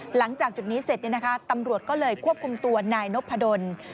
หลังจากจุดนี้เสร็จตำรวจก็เลยควบคุมตัวนายนพดล